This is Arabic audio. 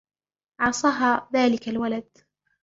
عصاها دالك الولد.